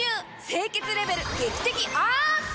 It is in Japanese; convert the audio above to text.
清潔レベル劇的アップ！